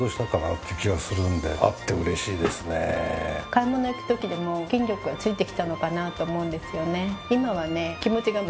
買い物行く時でも筋力がついてきたのかなと思うんですよね。